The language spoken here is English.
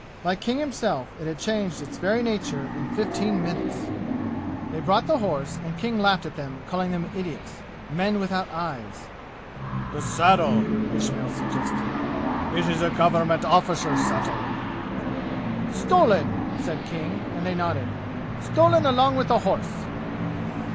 Like King himself, it had changed its very nature in fifteen minutes! They brought the horse, and King laughed at them, calling the idiots men without eyes. "The saddle?" Ismail suggested. "It is a government arrficer's saddle." "Stolen!" said King, and they nodded. "Stolen along with the horse!"